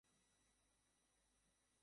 এই কী হয়েছে?